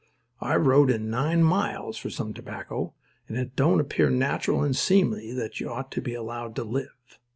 I've rode in nine miles for some tobacco; and it don't appear natural and seemly that you ought to be allowed to live."